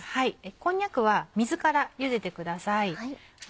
こんにゃくは水から茹でてください。